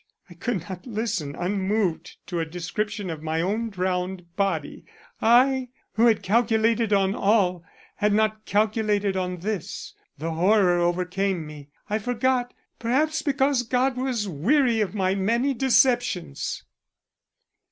I could not listen unmoved to a description of my own drowned body. I, who had calculated on all, had not calculated on this. The horror overcame me I forgot perhaps because God was weary of my many deceptions!"